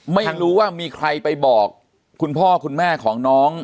ไม่รู้ว่ามีใครไปบอกคุณพ่อคุณแม่ของน้อง